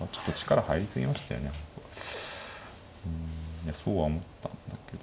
いやそうは思ったんだけど。